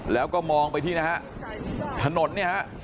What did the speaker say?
แล้วก็มองไปที่นะฮะ